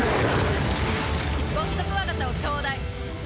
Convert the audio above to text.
ゴッドクワガタをちょうだい。